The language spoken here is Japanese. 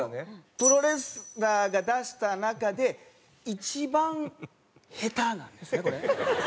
プロレスラーが出した中で一番下手なんですよねこれね。